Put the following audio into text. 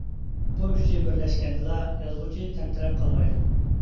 بۇ ئۈچى بىرلەشكەندىلا يازغۇچى تەمتىرەپ قالمايدۇ.